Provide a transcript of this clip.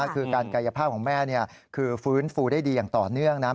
คือการกายภาพของแม่คือฟื้นฟูได้ดีอย่างต่อเนื่องนะ